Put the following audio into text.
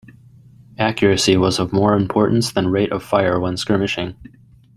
Accuracy was of more importance than rate of fire when skirmishing.